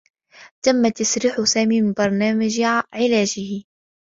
تمّ تسريح سامي من برنامج علاجه.